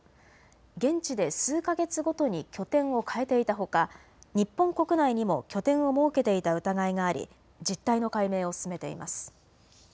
現地で数か月ごとに拠点を変えていたほか日本国内にも拠点を設けていた疑いがあり実態の解明を進めています。